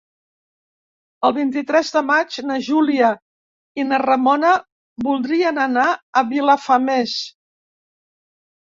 El vint-i-tres de maig na Júlia i na Ramona voldrien anar a Vilafamés.